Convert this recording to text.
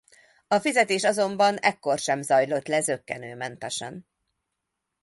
A fizetés azonban ekkor sem zajlott le zökkenőmentesen.